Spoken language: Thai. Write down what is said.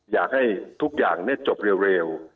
อยากให้ทุกอย่างจบเร็ว